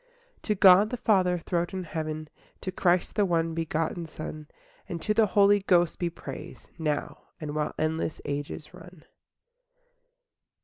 IV To God the Father throned in heaven, To Christ the one begotten Son, And to the Holy Ghost be praise, Now, and while endless ages run.